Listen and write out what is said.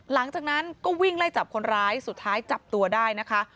หลังจากนั้นก็วิ่งไล่จับคนร้ายสุดท้ายจับตัวได้นะคะ